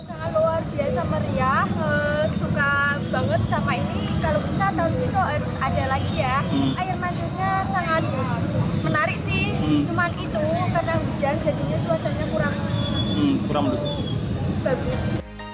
air mancurnya sangat menarik sih cuman itu karena hujan jadinya cuacanya kurang bagus